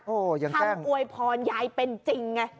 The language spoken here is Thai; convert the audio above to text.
โอ้ยยังแกล้งคำโอ้ยพรยายเป็นจริงไง